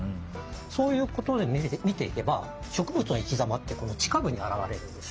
そういうことで見ていけば植物の生き様って地下部に現れるんですよ。